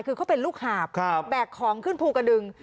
คือเขาเป็นลูกหาบแบกของขึ้นภูกระดึง